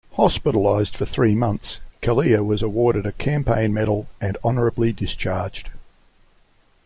Hospitalized for three months, Calleia was awarded a campaign medal and honorably discharged.